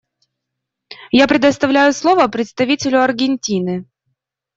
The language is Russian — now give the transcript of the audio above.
Я предоставляю слово представителю Аргентины.